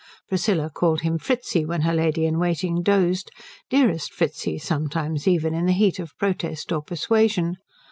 Priscilla called him Fritzi when her lady in waiting dozed; dearest Fritzi sometimes even, in the heat of protest or persuasion.